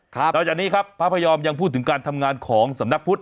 นอกจากนี้ครับพระพยอมยังพูดถึงการทำงานของสำนักพุทธ